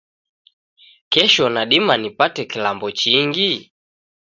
Kesho nadima nipate kilambo chingi?